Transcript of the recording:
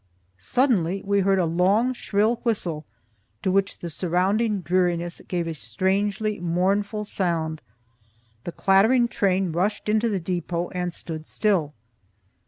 Suddenly we heard a long shrill whistle, to which the surrounding dreariness gave a strangely mournful sound, the clattering train rushed into the depot and stood still.